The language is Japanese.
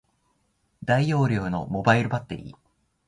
大容量のモバイルバッテリー